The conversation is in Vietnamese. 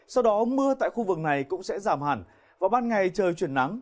sau đó mưa tại khu vực này cũng sẽ giảm hẳn và ban ngày trời chuyển nắng